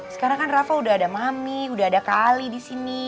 sekarang kan rafa udah ada mami udah ada kak ali disini